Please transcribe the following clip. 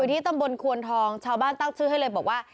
ที่ตำบลควนทองชาวบ้านตั้งชื่อให้เลยบอกว่า